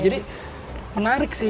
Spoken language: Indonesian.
jadi menarik sih